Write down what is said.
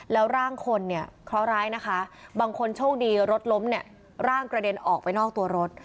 แล้วร่างคนเนี่ยเคราะห์ร้ายนะคะบางคนโชคดีรถล้มเนี่ยร่างกระเด็นออกไปนอกตัวรถ